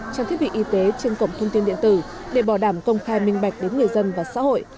trang thiết bị y tế trên cổng thông tin điện tử để bảo đảm công khai minh bạch đến người dân và xã hội